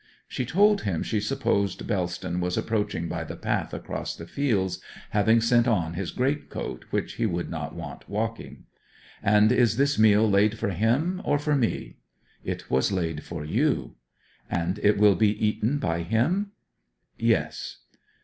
She told him she supposed Bellston was approaching by the path across the fields, having sent on his great coat, which he would not want walking. 'And is this meal laid for him, or for me?' 'It was laid for you.' 'And it will be eaten by him?' 'Yes.'